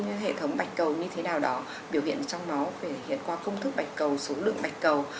những hệ thống bạch cầu như thế nào đó biểu hiện trong nó hiện qua công thức bạch cầu số lượng bạch cầu